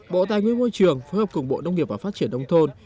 bộ tài nguyên môi trường phối hợp cùng bộ nông nghiệp và phát triển đông thôn